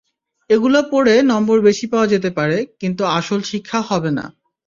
এগুলো পড়ে নম্বর বেশি পাওয়া যেতে পারে, কিন্তু আসল শিক্ষা হবে না।